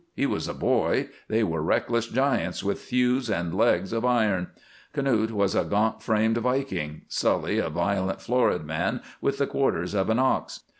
He was a boy; they were reckless giants with thews and legs of iron. Knute was a gaunt framed Viking; Sully a violent, florid man with the quarters of an ox.